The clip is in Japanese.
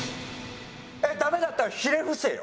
ダメだったらひれ伏せよ。